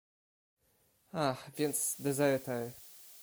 "Ach, więc dezerter."